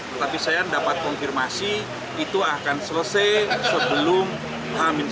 tetapi saya dapat konfirmasi itu akan selesai sebelum h